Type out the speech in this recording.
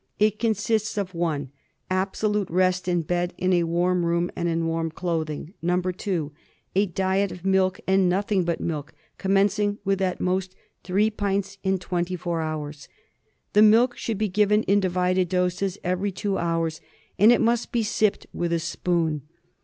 It consists in (i) absolute rest in bed in a warm room and in warm clothing; (2) a diet of milk and nothing but milk, commencing with at most three pints in the twenty four hours. The milk should be given in divided doses every two hours, and it must be sipped with a spoon.